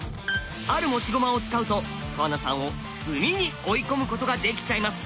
ある持ち駒を使うと川名さんを詰みに追い込むことができちゃいます。